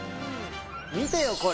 見てよ、これ。